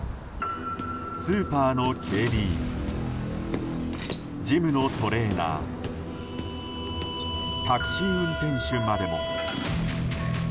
スーパーの警備員ジムのトレーナータクシー運転手までも。